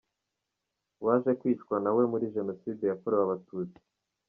Waje kwicwa nawe muri Jenoside yakorewe Abatutsi.